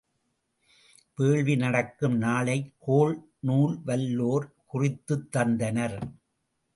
வேள்வி நடத்தும் நாளைக் கோள் நூல்வல் லோர் குறித்துத் தந்தனர்.